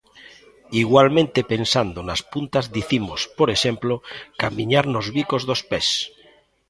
Igualmente pensando nas puntas dicimos, por exemplo, camiñar nos bicos dos pés.